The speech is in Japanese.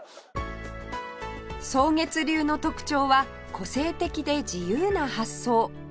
草月流の特徴は個性的で自由な発想